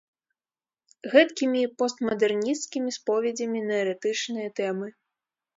Гэткімі постмадэрнісцкімі споведзямі на эратычныя тэмы.